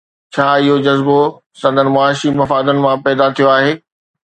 ڇا اهو جذبو سندن معاشي مفادن مان پيدا ٿيو آهي؟